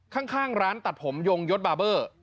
ข้างร้านตัดผมยงยศบาร์เบอร์